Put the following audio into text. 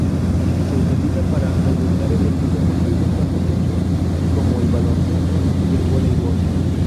Se utiliza para albergar eventos deportivos bajo techo, como el baloncesto y el voleibol.